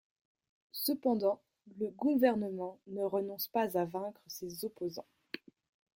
Cependant le gouvernement ne renonce pas à vaincre ses opposants.